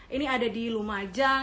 ini ada di lumajang